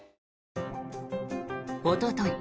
おととい